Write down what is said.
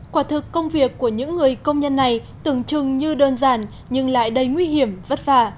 quả thực công việc của những người công nhân này tưởng chừng như đơn giản nhưng lại đầy nguy hiểm vất vả